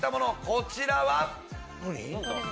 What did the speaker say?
こちらは。